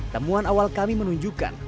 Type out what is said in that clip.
temuan awal kami menunjukkan